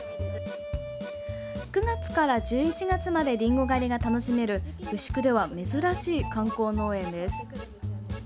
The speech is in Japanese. ９月から１１月までりんご狩りが楽しめる牛久では珍しい観光農園です。